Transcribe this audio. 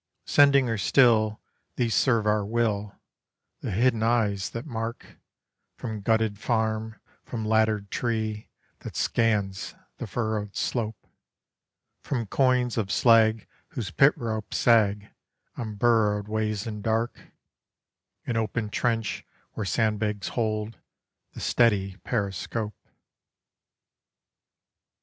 Sending or still, these serve our will; the hidden eyes that mark From gutted farm, from laddered tree that scans the furrowed slope, From coigns of slag whose pit ropes sag on burrowed ways and dark, In open trench where sandbags hold the steady periscope.